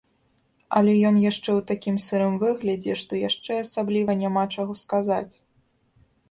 Але ён яшчэ ў такім сырым выглядзе, што яшчэ асабліва няма чаго сказаць.